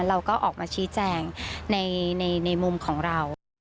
เราก็ออกมาชี้แจงในมุมของเรา